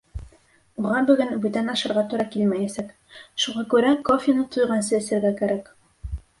Уға бөгөн бүтән ашарға тура килмәйәсәк, шуға күрә кофены туйғансы эсергә кәрәк.